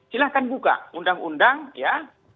silahkan buka undang undang ya